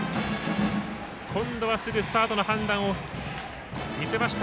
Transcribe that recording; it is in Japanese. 今度はすぐスタートの判断を見せました。